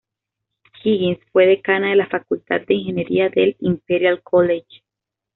Higgins fue decana de la Facultad de Ingeniería del Imperial College.